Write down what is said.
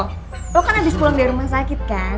lo kan abis pulang dari rumah sakit kan